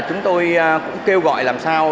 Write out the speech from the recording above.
chúng tôi kêu gọi làm sao